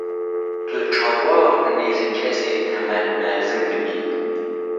Tu çawa nêzî kesên temenmezin dibî?